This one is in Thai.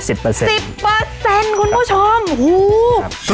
สิบเปอร์เซ็นต์สิบเปอร์เซ็นต์คุณผู้ชมหูฮือ